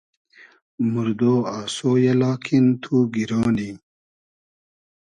موردۉ آسۉ یۂ لاکین تو گیرۉ نی